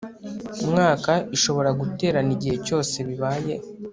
mwaka ishobora guterana igihe cyose bibaye